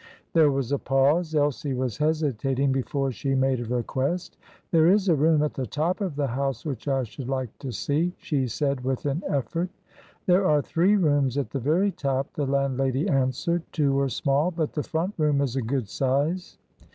There was a pause; Elsie was hesitating before she made a request. "There is a room at the top of the house which I should like to see," she said with an effort. "There are three rooms at the very top," the landlady answered. "Two are small, but the front room is a good size."